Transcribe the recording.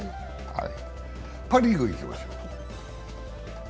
パ・リーグいきましょう。